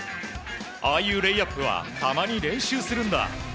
ああいうレイアップはたまに練習するんだ。